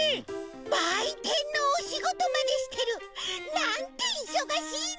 ばいてんのおしごとまでしてる！なんていそがしいの！？